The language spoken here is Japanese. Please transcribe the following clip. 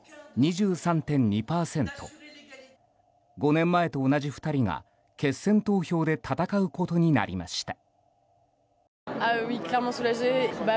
５年前と同じ２人が、決選投票で戦うことになりました。